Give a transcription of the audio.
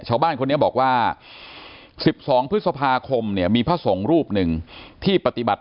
ชาวบ้านคนนี้บอกว่า๑๒พฤษภาคมเนี่ยมีพระสงฆ์รูปหนึ่งที่ปฏิบัติ